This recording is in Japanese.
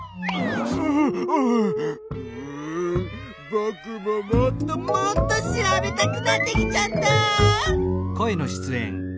ぼくももっともっと調べたくなってきちゃった！